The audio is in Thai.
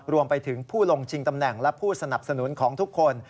รวมไปถึงผู้ลงชิงตำแหน่งและผู้สนับสนุนของทุกคน